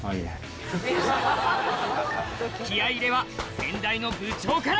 気合入れは先代の部長から！